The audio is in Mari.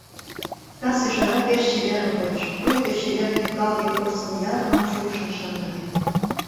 Кас ӱжара пеш чеверын коеш, пуйто чевер-тӱкалге порсын ярымым шупшын шындыме.